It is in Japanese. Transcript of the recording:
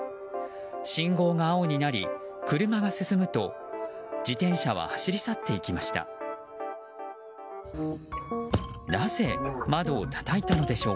信号が青になり、車が進むと自転車は走り去っていきました。